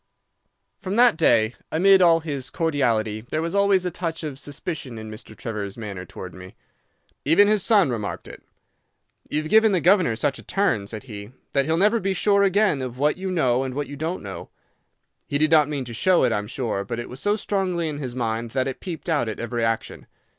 "From that day, amid all his cordiality, there was always a touch of suspicion in Mr. Trevor's manner towards me. Even his son remarked it. 'You've given the governor such a turn,' said he, 'that he'll never be sure again of what you know and what you don't know.' He did not mean to show it, I am sure, but it was so strongly in his mind that it peeped out at every action.